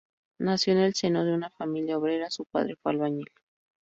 Nació en el seno de una familia obrera, su padre fue albañil.